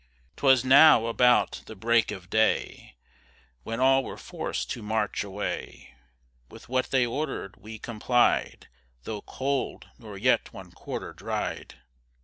'Twas now about the break of day, When all were forc'd to march away; With what they order'd we complied, Though cold, nor yet one quarter dried.